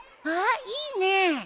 ああいいね。